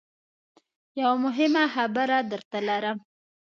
یوه مهمه خبره درته لرم .